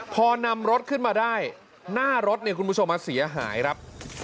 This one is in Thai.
พอนำรถขึ้นมาได้หน้ารถเนี่ยคุณผู้ชมเสียหายครับ